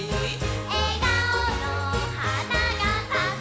「えがおのはながさく」